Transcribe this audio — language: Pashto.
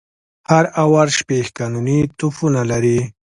هر آور شپږ قانوني توپونه لري.